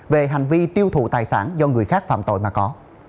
về hành vi tiêu thụ tài sản do người khác phạm tội mà có